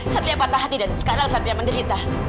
sateria patah hati dan sekarang sateria menderita